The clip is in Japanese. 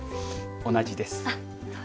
同じです。